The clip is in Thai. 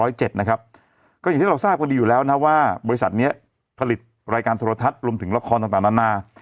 ก็อย่างที่เราทราบกันดีอยู่แล้วนะว่าบริษัทนี้ผลิตรายการโทรทัศน์รวมถึงละครต่างนานา